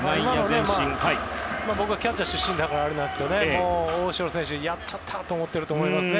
僕はキャッチャー出身だからあれですが大城選手、やっちゃったって思ってると思いますね。